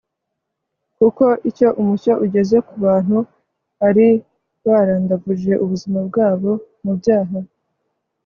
kuko iyo umucyo ugeze ku bantu bari barandavuje ubuzima bwabo mu byaha